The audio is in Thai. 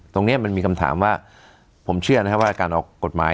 ตรงนี้มันมีคำถามว่าผมเชื่อนะครับว่าการออกกฎหมาย